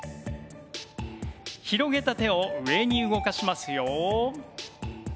広げた手を上に動かしますよ。